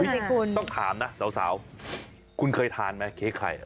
ต้องถามนะสาวคุณเคยทานไหมเค้กไข่